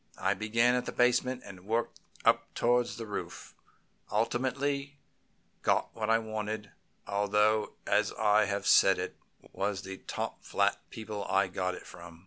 I began at the basement and worked up towards the roof, and ultimately got what I wanted, although, as I have said, it was the top flat people I got it from."